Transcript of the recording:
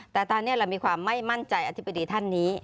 แต่ตอนนี้เรามีความไม่มั่นใจอธิบดีท่านนี้